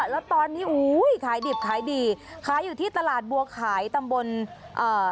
แล้วตอนนี้อุ้ยขายดิบขายดีขายอยู่ที่ตลาดบัวขายตำบลอ่า